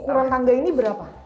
ukuran tangga ini berapa